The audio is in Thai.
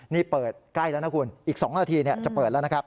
นี่เปิดใกล้แล้วนะคุณอีก๒นาทีจะเปิดแล้วนะครับ